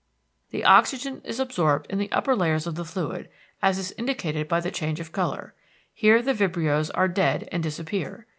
The oxygen is absorbed in the upper layers of the fluid—as is indicated by the change of color. Here the vibrios are dead and disappear.